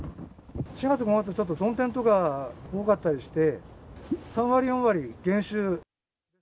４月、５月、ちょっと曇天とか多かったりして、３割、４割、減収。